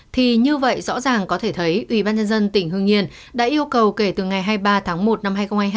thì như vậy rõ ràng có thể thấy ubnd tỉnh hương yên đã yêu cầu kể từ ngày hai mươi ba tháng một năm hai nghìn hai mươi hai